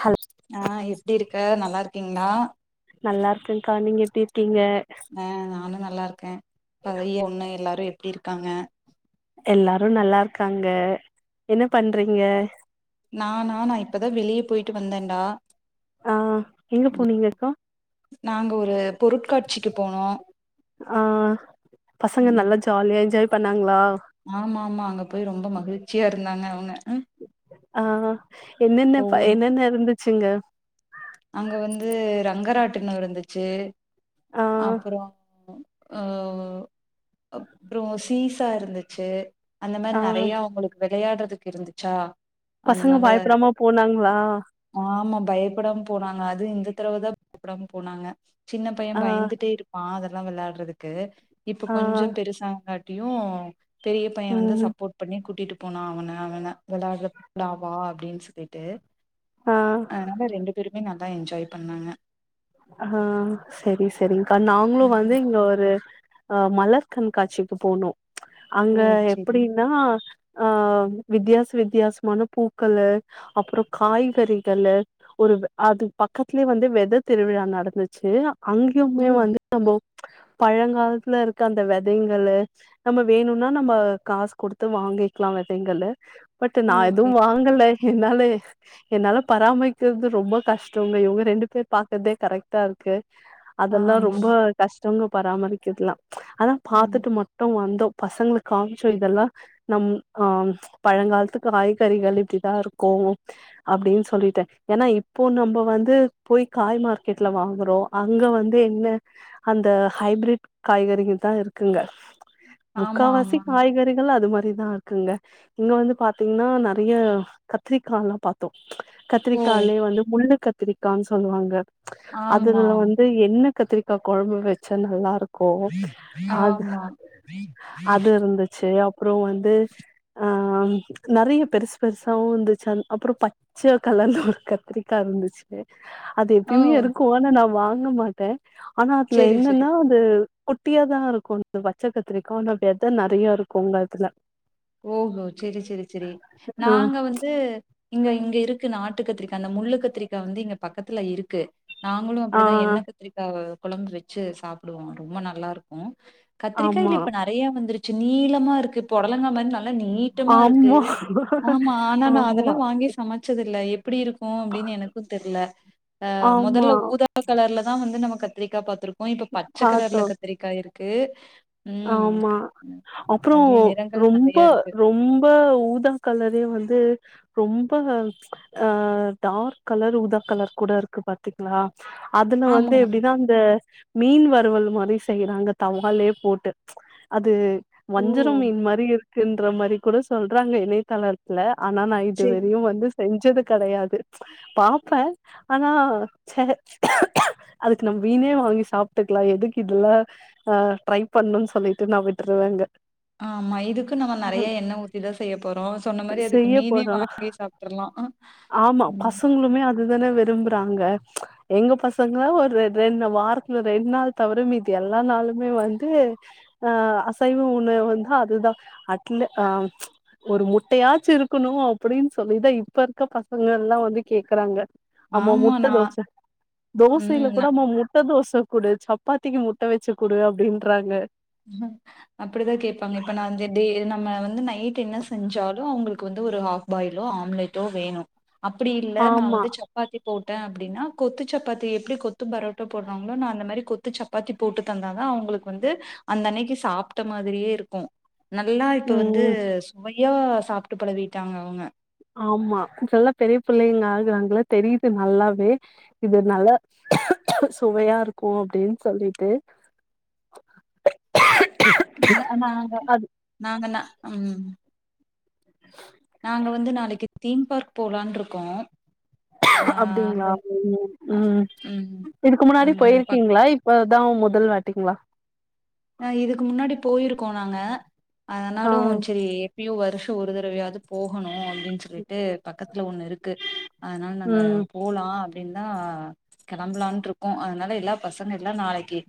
Hello ஆ எப்டி இருக்க நல்லா இருக்கீங்ளா நல்லா இருக்கேங்க்கா நீங்க எப்டி இருக்கீங்க ஆ நானு நல்லா இருக்கே பதைய ஒன்னு எல்லாரு எப்டி இருக்காங்க எல்லாரு நல்லா இருக்காங்க என்ன பண்றீங்க நானா நா இப்பதா வெளிய போயிட்டு வந்தேன்டா ஆ எங்க போனிங்கக்கா நாங்க ஒரு பொருட்காட்சிக்கு போனோ ஆ பசங்க ம் நல்லா ஜாலியா என்ஜாய் பண்ணாங்ளா ஆமா ஆமா அங்க போய் ரொம்ப மகிழ்ச்சியா இருந்தாங்க அவுங்க ஆ என்னென்ன ப ஒவ்வொன்னு என்னென்ன இருந்துச்சுங்க அங்க வந்து ரங்கராட்டினோ இருந்துச்சு ஆ அப்றோ ஆ அப்றோ சீசா இருந்துச்சு அந்த மாரி ஆ நெறயா அவுங்களுக்கு வெளயாட்றதுக்கு இருந்துச்சா பசங்க அதனால பயப்படாம போனாங்களா ஆமா பயப்படாம போனாங்க அது இந்த தடவ தா கூப்டாம போனாங்க சின்ன பைய ஆ பயந்துட்டே இரு ப்ப அதெல்லா வெளயாட்றதுக்கு இப்ப ஆ கொஞ்சோ பெருசாங்காட்டியு பெரிய பைய வந்து ம் சப்போட் பண்ணி கூட்டிட்டு போனா அவன அவன வெளயாட்றலா வா அப்டின்னு சொல்லிட்டு ஆ அதுனால ரெண்டு பேருமே நல்லா என்ஜாய் பண்ணாங்க ஹா செரி செரி்ங்கா நாங்ளு வந்து ம் இங்க ஒரு அ மலர் கண்காட்சிக்கு போனோ ஓ அங்க செரி எப்புடின்னா அ வித்யாச வித்யாசமான பூக்களு அப்புற காய்கறிகளு ஒரு வே அது பக்கத்லே வந்து வெத திருவிழா நடந்துச்சு ஓ அங்யுமே வந்து நம்போ பழங்காலத்ல இருக்க அந்த வெதைங்களு நம்ம வேணும்னா நம்ம காசு குடுத்து வாங்கிக்லா வெதைங்கள்லு பட்டு் நா எது ஓகே வாங்கலே என்னாலே என்னால பராமரிக்கிறது ரொம்ப கஷ்டங்க இவுங்க ரெண்டு பேர் பாக்ற்தே கரெக்ட்டா இருக்கு அதல்லா ஆமா ரொம்ப கஷ்ட்டோங்க பராமரிக்கிற்துல்லா அதா ம் பாத்துட்டு மட்டு வந்தோ பசங்களுக் காம்ச்சோ இதல்லா நம் அ பழங்காலத்து காய்கறிகள் இப்டிதா இருக்கு அப்டின் சொல்லிட்ட ஏன்னா இப்போ நம்ப வந்து போய் காய் மார்க்கெட்ல வாங்குறோ அங்க வந்து என்ன அந்த ஹைப்ரிட் காய்கறிங்க தா இருக்குங்க ஆமா முக்காவாசி ஆமா காய்கறிகள் அது மாரிதா குங்க இங்க வந்து பாத்தீங்ன்னா நெறய கத்ரிக்கால்லா பாத்தோ ஓ கத்ரிக்காலே வந்து முள்ளு கத்துரிக்கான் சொல்வாங்க அதுல்ல ஆமாம் வந்து என்ன கத்திரிக்கா கொழம்பு வெச்சா நல்லாருக்கு அது ஆமா ஆமா. அது இருந்துச்சு அப்றோ வந்து அ நறைய பெருசு பெருசாவு இர்ந்துச்சன் அப்புற ப ச்ச கலர்ல ஒரு கத்துரிக்கா இருந்துச்சு அது ஓ எப்யுமே இருக்கு ஆனா நா வாங்க மாட்ட ஆனா அதுல செரி செரி என்னன்னா து குட்டியாதா இருக்கு இந்த பச்ச கத்துரிக்கா ஆனா வெத நறையா இருக்குங்க அதுல ஓஹோ செரி செரி செரி ஆ நாங்க வந்து இங்க இங்க இருக்கு கத்துரிக்கா அந்த முள்ளு கத்துரிக்கா வந்து இங்க பக்கத்துல இருக்கு நாங்களு ஆ அப்புடிதா எண்ண கத்ரிக்காவ கொழம்பு வெச்சு சாப்புடுவோ ரொம்ப நல்லாருக்கு ஆமா கத்திரிக்காய்ல்ல இப்ப நெறைய வந்துருச்சு நீளமாருக்கு பொடலங்க நல்ல நீட்டமாருக்கு ஆமா ஆம்மா ஆனா நா ஆமா அதெல்லா வாங்கி சமச்சதுல்ல எப்டி இருக்கு அப்டின்னு எனக்கூ தெர்ல ஆமா மொதல்ல ஊதா கலர்லதா வந்து நம்ம கத்ரிக்கா பாத்துருக்கோ இப்ப பச்ச கலர்ல பாத்தோ கத்துரிக்கா இருக்கு ம். ஆமா அப்புறோ அதுலயும் நிறங்கள் ரொம்ப நெறைய இருக்கு. ரொம்ப ஊதா கலரே வந்து ரொம்ப அ டார்க் கலர் ஊதா கலர் கூட இருக்கு பாத்தீங்ளா அதுல ஆமா. வந்து எப்டினா அந்த மீன் வருவல் மாரி செய்றாங்க தவாலே போட் டு அது ஓ! வஞ்சர மீன் மாரி இருக்குன்ற மறி கூட சொல்றாங்க இணையத்தளர் இல்ல ஆனா நா சரி. இதுவெரியு வந்து செஞ்சது கடையாது பாப்ப ஆனா ச அதுக்கு நம் மீனே வாங்கி சாப்ட்டுக்லா எதுக் இதுல அ ட்ரை பண்ணுன் சொல்லிட்டு நா விட்ருவேங்க ஆமா இதுக்கு நம்ம நறைய எண்ண ஊத்திதா செய்ய போறோ சொன்ன மாரி அதுக்கு செய்ய மீனே போறோ வாங்கி சாப்ட்ருல்லா ஆமா பசு அதுதான விரும்ப்றாங்க எங்க பசங்க ஒரு ரெண்டு வாரத்துல ரெண் நாள் தவிர மீதி எல்லா நாளுமே வந் டு அ அசைவ உணவு வந்து அதுதா அட்ல ஆ ஒரு முட்டயாச்சு இருக்குணு அப்புடின் சொல்லிதா இப்ப இருக்க பசங்கல்லா வந்து கேக்குறாங்க அம்மா ஆமா முட்ட நான் தோச தோசைல ம் கூட நான் அம்மா முட் ட்ட தோச குடு சப்பாத்திக்கு முட்ட வெச்சுக் குடு அப்டின்றாங்க ஹம் அப்புடிதா கேப்பாங்க இப்ப நாந்து தே நம்ம வந்து நைட்டு என்ன செஞ்சாலு அவங்களுக்கு வந்து ஒரு ஹாஃப் பாயிலோ ஆம்லேட்டோ வேணு அப்டிஇல்ல நா ஆமா வந்து சப் பாத்தி போட்ட அப்படின்னா கொத்து சப்பாத்தி எப்டி கொத்து பரோட்டா போட்வாங்களோ நா அந்த மாரி கொத் த்து சப்பாத்தி போட்டு தந்தாதா அவுங்குளுக்கு வந்து அந்தன்னைக்கு சாப்ட்ட மாதிரியே இருக்கூ நல்லா இப்ப வந்து ம் சுவையா சாப்ட்டு பழவிட்டாங்க அவுங்க ஆம்மா இப்பல்லா பெரிய பிள்ளைங்க ஆகுறாங்களா தெரியுது நல்லாவே இது நல்ல சுவையாருக்கு அப்டின் சொல்லிட்டு ந நாங்க அது நாங்க ந ம் நாங்க வந்து நாளைக்கு தீம் பார்க் போலான்ருக்கோ அப்டிங்களா உம் அ ம் ம் இதுக்கு முன்னாடி அங்க பக் பொயிருக்கீங்களா இப் இப்பதா முதல் வாட்டிங்ளா அ இதுக்கு முன்னாடி போயிருக்கோ நாங்க ஆ அதனாலு செரி பியு வருஷ ஒரு தரவயாது போகணு அப்டின் சொல்லிட்டு பக்கத்துல ஒண்ணு இருக்கு அதனால நாங்க ம் போலா அப்டின்தா கிளம்பலான்ட்டுருக்கோ அதுனால எல்லா பசங்க எல்லா நாளைக்கு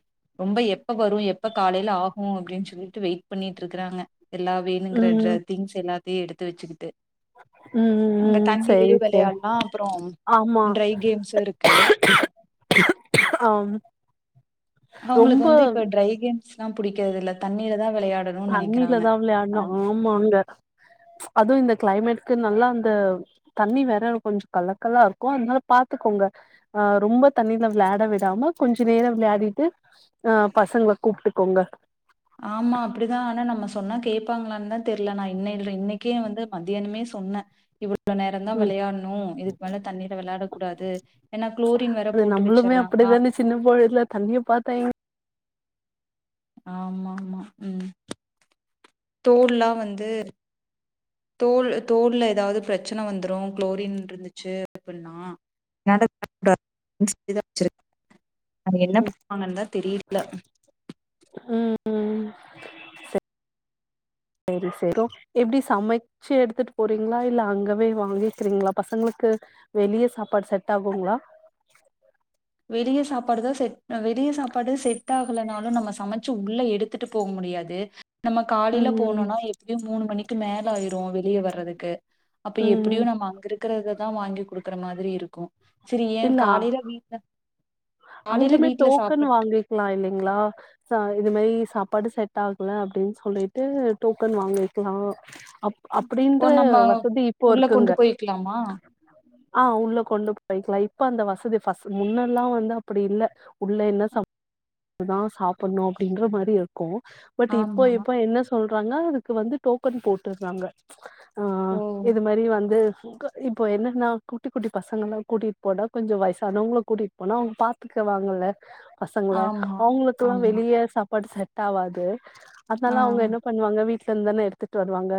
ரொம்ப எப்பவரு எப் எப்ப காலைல ஆகு அப்டின் சொல்ட்டு வெயிட் பண்ணிட்ருக்றாங்க எல்லா வேணுங்கிற ட்ர ம் திங்ஸ் எல்லாத்தியு எடுத்து வெச்சுக்கிட்டு ஆ உம் உம் ம் செரி தோழி வெளையாடலாம் அப்புறம் ஆம்மா ட்ரை கேம்ஸ் இருக்கு ஆம் அவுங்குளுக்கு ரொம்ப வந்து இப்ப ட்ரை கேம்ஸ்லா புடிக்கிறதுல்ல தண்ணியில தா விளையாடு தண்ணிலதா விளையாட்னு ஆம்மாங்க அதுவு இந்த க்ளைமேட்க்கு நல்லா அந்த தண்ணி வேற கொஞ்ச கலக்கல்லா இருக்கு அதனால பாத்துக்கோங்க ஆ ரொம்ப தண்ணியில விளயாட விடாம கொஞ்ச நேரோ விளயாடிட்டு ஆ பசங்கள கூப்பிட்டுக்கோங்க ஆமா அப்படிதா ஆனா நம்ம சொன்னா கேட்பாங்களான்னு தா தெரில நா இன்னைல இன்னைக்கே வந்து மத்தியானமே சொன்னே இவ்ளோ வ்ளோ நேரந்தா ம் வெளையாட்ணு இதுக்கு மேல தண்ணீல வெளாடக் கூடாது ஏன்னா குளோரின் வேற போட்டு வச்சர்றா இது அந்து சின்னப் போயட்ல தண்ணிய பாத் பெய்ன் ஆம்ம ஆம்மா உம் தோல்லா வந்து தூல் தூல்ல எதாவ்து பிரச்சன வந்துரும் குளோரின் இருந்துச்சு அப்புன்னா நடத் கூடாதுன் சொல்லிதா வெச்சுருக்க அவுங்க என்ன ம் பண்ணுவாங்கன் தா தெரியில ம் ம் செ செரி செரொ எப்டி சமைக் ச்சி எடுத்துட்போறீங்களா இல்ல அங்கவே வாங்கிக்கிறீங்களா பசங்களுக்கு வெளிய சாப்பாடு செட் ஆகுங்ளா வெளிய சாப்பாடு தா செட் வெளிய சாப்பாடு செட்டா ல்லன்னாலு நம்ம சமச்சு உள்ள எடுத்துட்டு போமுடியாது நம்ம காலைல ம் போனொன்னா எப்யு மூணு மணிக்கு மேல ஆயிரு வெளியே வர்றதுக்கு அப்ப ம் எப்பிடியு நம்ம அங்கிருக் இருக்கறத தா வாங்கிக் குடுக்குற மாதிரி இருக்கு சரி ஏ காலைல வீட்ல காலையில அங்கியுமே வீட்ல டோக்கன் சாப்பிட்டு வாங்கிக்லா இல்லிங்ளா ச இது மாரி சாப்பாடு செட் ஆகுல அப்பிடின் சொல்லிட்டு டோக்கன் வாங்கிக்லா அப் ஓ அப்டீன்ற நம்ம வசதி இப்போ உள்ள கொண்டு இருக்குங்க போய்க்கலாமா ஆ உள்ள கொண்டு போயிக்கலா இப்ப அந்த வசதி ஃபஸ் முன்னெல்லா வந்து அப்பிடி இல்ல உள்ள என்ன ச தா சாப்புட்ணு அப்பிடின்ற மாரி இருக்கு பட் இப்போ ஆமா இப்ப என்ன சொல்றாங்க அதுக்கு வந்து டோக்கன் போட்டுட்றாங்க ஆ ஓ இது மாரி வந்து ஃபுக இப்போ என்னன்னா கூட்டி குட்டி பசங்கல்லா கூட்டிட் போனா கொஞ்சோ வயசானவங்கள கூட்டிட் போனா அவுங்க பாத்துக்கவாங்கல்லே பசங்கள ஆமா அவங்களுக்கெல்லா ஆமா வெளியே சாப்பாடு செட் டாவாது அதுனால ஆ அவுங்க என்ன பண்ணுவாங்க வீட்ல இருந்து தானே எடுத்துட்டு வருவாங்க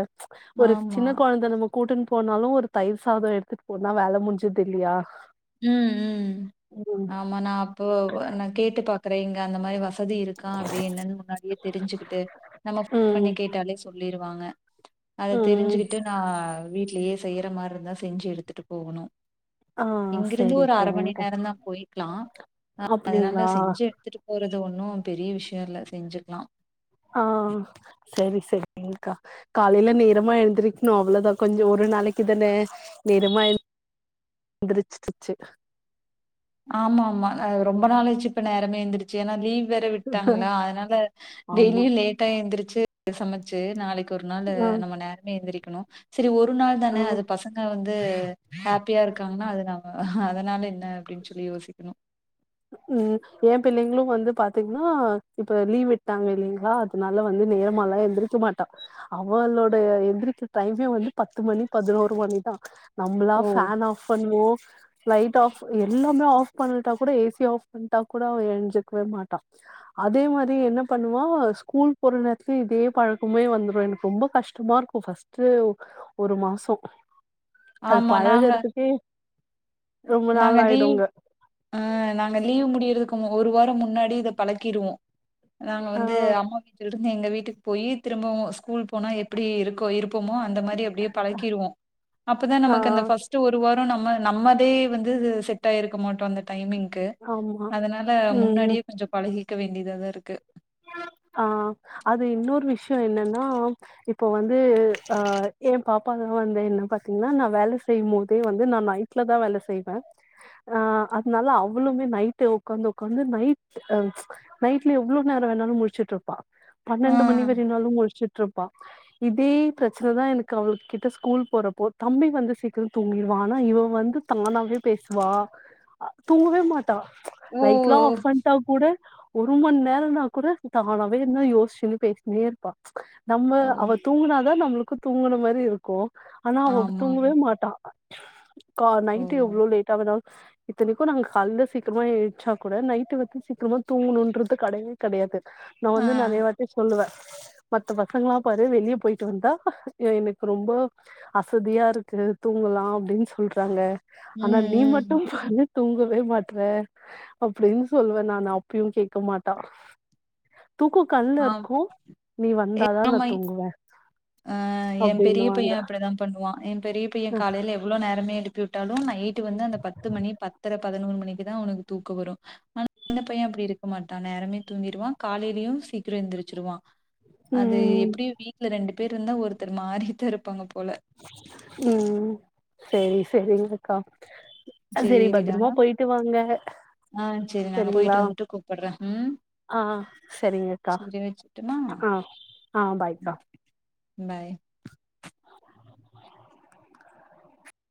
ஒரு ஆமா சின்னக் கொழந்த நமக் கூட்டுனு போனாலு ஒரு தயிர் சாதொம் எடுத்துட்டு போனா வேல முடிஞ்சுது இல்லையா ம் ம் ம் ஆமா நா அப்போ நா கேட்டு பாக்குறே இங்க அந்த மாரி வச வசதி இருக்கா அப்பிடின்னு முன்னாடியே தெரிஞ்சுக்கிட்டு நம்ம ஃபோன் ம் பண்ணி கேட்டாலே சொல்லிருவாங்க அத ம் தெரிஞ்சுகிட்டு நா வீட்லயே செய்யுற மாரி இருந்தா செஞ்சு எடுத்துகிட்டு போகணு ஆ இங்கிருந்து செரி ஒரு அர மணி செரிங்க்கா நேரந்தா போய் க்கலா அ அப்டிங்களா அதனால செஞ்சு எடுத்துட்டுப் போறது ஒன்னு பெரிய விஷயோ இல்ல செஞ்சுக்கலா ஆ சேரி சேரிங்க்கா காலையில நேரமா எழுந்திருக்ணு அவ்வளவுதா கொஞ்சோ ஒரு நாளைக்கு தானே நேரமா எந்திரிச்சுருச்சு ஆமா ஆமா அது ரொம்ப நாள் ஆச்சு இப்ப நேரமே எந்திரி சு ஏன்னா லீவ் வேற விட்டாங்களா அதனால ஆமா டெய்லியு லேட் டா எந்திரிச்சு சமச்சு நாளைக்கு ஒரு நாளு ஆ நம்ம நேரமே எந்திரிக்கணு சேரி ஒரு நாள் ஆ தானே அது பசங்க வந்து ஹாப்பியா இருக்காங்கன்னா அது நா அதுனால என்ன அப்பிடின்னு சொல்லி யோசிக்கணு ம் ஏ பிள்ளைங்களும் வந்து பாத்தீங்கன்னா இப்ப லீவ் விட்டாங்க இல்லைங்களா அதனால வந்து நேரமா எல்லா எந்திரிக்க மாட்டா அவளோடய எந்திரிக்க டைமே வந்து பத்து மணி பதினோரு மணிதா நம்மளா ஓ ஃபான் ஆஃப் பண்ணுவோ லைட் ஆஃப் எல்லாமே ஆஃப் பண்ணிட்டா கூட ஏ சி [unintelligible] ஆஃப் பண்ட்டா கூட அவ எரிஞ்சிக்கவே மாட்டா அதே மாரி என்ன பண்ணுவா ஸ்கூல் போற நேரத்துல இதே பழக்கமே வந்துரு எனக்கு ரொம்ப கஷ்டமா இருக் ஓ ஃபஸ்ட்டு ஒரு மாசோ அது ஆமா நாங்க பழகறதுக்கே ரொம்ப நாள் ஆயிடுங்க ஆ நாங்க லீவ் முடியறதுக்கு ஒரு வாரோ முன்னாடி இத பழக்கிருவோ நாங்க ஆ வந்து அம்மா வீட்லருக் இருந்து எங்க வீட்டுக்கு போய் திரும்பவு ஸ்கூல் போனா எப்டி இருக்கோ இருப்போமோ அந்த மாரி அப்டியே பழக்கிருவோ அப்போதா ஆ நமக்கு அந்த ஃபர்ஸ்ட் ஒரு வாரோ நம்ம நமே அதே வந்து செட் ஆயிருக்க மாட்டோ அந்த டைமிங்க்கு ஆமா அதுனால ம் முன்னாடியே கொஞ்சோ பழகிக்க வேண்டியத தா இருக்கு ஆ அது இன்னொரு விஷயோ என்னன்னா இப்போ வந்து ஆ எ பாப்பாங்களா வந்து என்ன பாத்தீங்கன்னா நா வேல செய்யும் போதே வந்து நா நை ட்லதா வேல செய்வே ஆ அதுனால அவ்ளவுமே நைட்டு உக்காந்து உக்காந்து நைட்டு அ நைட்ல எவ்ளோ நேரோ வேணாலு முலிச்சுட்டு இருப்பா ஆ பன்னெண்டு மணி வரனாலு முழிச்சுட்டு இருப்பா இதே பிரச்சனதா எனக்கு அவளுக்கு கிட்ட ஸ்கூல் போறப்போ தம்பி வந்து சீக்கிரம் தூங்கிடுவா ஆனா இவ வந்து தங்கமாவே பேசுவா தூங்கவே மாட் டா ஓ லைட்லா ஆஃப் பண்டா கூட ஒரு மண்நேரோ தூங்குனா கூட தானாவே என்ன யோசிச்சுன்னு பேசின்னே இருப்பா நம்ம ஓ அவ தூங்குனாதா நம்மளு க்கு தூங்குன மாரி இருக்கு ஆனா அவ ஆமா தூங்கவே மாட்டா கா ஓ நைட் எவ்ளோ லேட் டாவுதாங் இத்தனைக்கு நாங்க காலல சீக்கரமா எந்திச்சா கூட நைட்டு வந்து சீக்கரமா தூங்கணும்ன்றது கடயவே கெடயாது நா ஆ வந்து நெறைய வாட்டி சொல்லுவ மத்த பசங்களா பாரு வெளிய போயிட்டு வந்தா எனக்கு ரொம்ப அசதியா இருக்கு தூங்கலா அப்டின் சொல்றாங்க ஆனா ம் நீ மட்டு ம் பாரு தூங்கவே மாட்ற அப்டின் சொல்லுவே நானு அப்பயு கேக்க மாட்டா தூக்கோ கண்ல ஆ இருக்கு நீ வந்தாதா நா ஆமா தூங்குவ எ பெரிய பைய அப்டின்னுவாங்க அப்டிதா பண்ணுவா என் பெரிய பைய காலைல எவ்ளோ நேரமே எழுப்பி விட்டாலு நைட்டு வந்து அந்த பத்து மணி பத்தர பதினொரு மணிக்குதா அவனுக்கு தூக்கோ வரு ஆனா சின்ன பைய அப்டி இருக்க மாட்டா நேரமே தூங்கிருவா காலையிலயு சீக்ரோ எந்திருச்சுருவா அது ம் எப்டியு வீட்ல ரெண்டு பேர் இருந்தா ஒருத்தர் மாறிதா இருப்பாங்க போல ம் செரி செரிங்க அக்கா அ செரி சேரிடா பத்ரமா போய்ட்டு வாங்க ஆ செரி நாங்க சரிங்களா போய்ட்டு வந்துட்டு கூப்பட்ற ம் ஆ செரிங்கக்கா சேரி வச்சுட்டுமா ஆ ஆ பாய்க்கா ம் பாய்